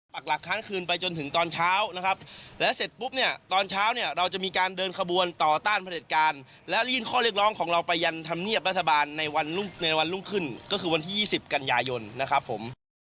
หลักค้างคืนไปจนถึงตอนเช้านะครับและเสร็จปุ๊บเนี่ยตอนเช้าเนี่ยเราจะมีการเดินขบวนต่อต้านผลิตการและยื่นข้อเรียกร้องของเราไปยันธรรมเนียบรัฐบาลในวันในวันรุ่งขึ้นก็คือวันที่๒๐กันยายนนะครับผม